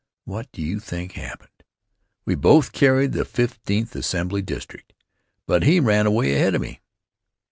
What do you think happened? We both carried the Fifteenth Assembly District, but he ran away ahead of me.